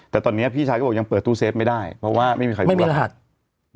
แต่ตอนนี้พี่ชายก็บอกยังเปิดตู้เซฟไม่ได้เพราะว่าไม่มีใครมีรหัส